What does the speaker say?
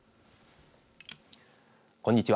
こんにちは。